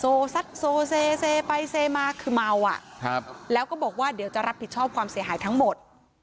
ซัดโซเซเซไปเซมาคือเมาอ่ะครับแล้วก็บอกว่าเดี๋ยวจะรับผิดชอบความเสียหายทั้งหมด